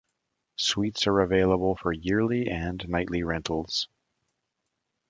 Suites are available for yearly and nightly rentals.